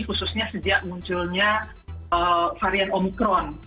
khususnya sejak munculnya varian omikron